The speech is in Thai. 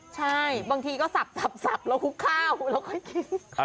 ใช่บางทีก็สับแล้วคุกข้าวแล้วค่อยกิน